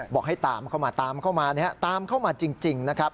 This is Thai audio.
บอกให้ตามเข้ามาตามเข้ามาตามเข้ามาจริงนะครับ